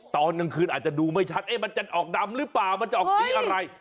ตอนกลางคืนอาจจะดูไม่ชัดมันจะออกดำหรือเปล่ามันจะออกสีอะไร